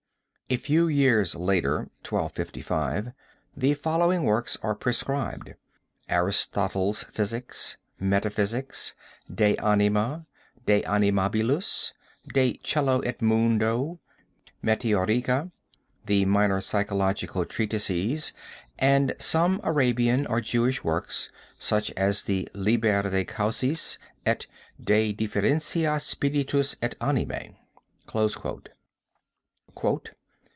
A few years later (1255), the following works are prescribed: Aristotle's Physics, Metaphysics, De Anima, De Animalibus, De Caelo et Mundo, Meteorica, the minor psychological treatises and some Arabian or Jewish works, such as the Liber de Causis and De Differentia Spirititus et Animae."